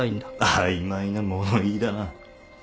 曖昧な物言いだな。